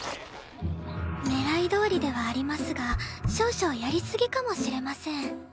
狙いどおりではありますが少々やりすぎかもしれません